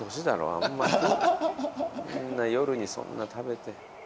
あんま夜にそんな食べて。